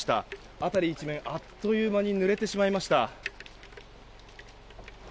辺り一面、あっという間にぬれてしまいました。